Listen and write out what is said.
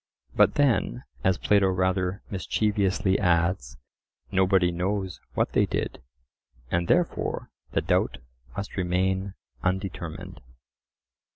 But then, as Plato rather mischievously adds, "Nobody knows what they did," and therefore the doubt must remain undetermined.